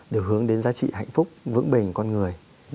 đều hướng đến giá trị hạnh phúc vững bền của con người